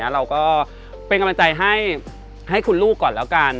เราก็เป็นกำลังใจให้คุณลูกก่อนแล้วกัน